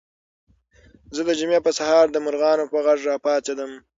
زه د جمعې په سهار د مرغانو په غږ راپاڅېدم.